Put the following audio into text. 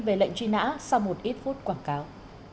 về lệnh truy nã sau một ít phút quảng cáo